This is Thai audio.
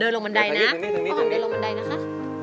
เดินลงมันไดนะป้าหอมเดินลงมันไดนะคะ